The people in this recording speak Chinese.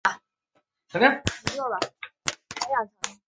青皮木为铁青树科青皮木属下的一个种。